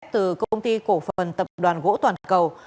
từ công ty cổ phần tập đoàn gỗ toàn cầu